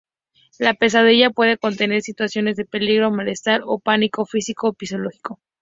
La pesadilla puede contener situaciones de peligro, malestar o pánico físico o psicológico.